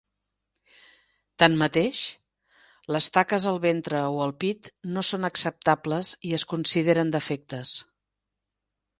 Tanmateix, les taques al ventre o al pit no són acceptables i es consideren defectes.